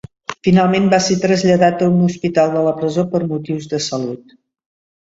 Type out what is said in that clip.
Finalment va ser traslladat a un hospital de la presó per motius de salut.